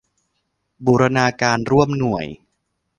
บูรณาการรวมหน่วย